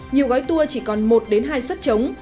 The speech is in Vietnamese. nhiều gói tour chỉ còn một hai xuất chống